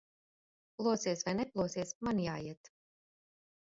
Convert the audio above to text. Plosies vai neplosies, man jāiet.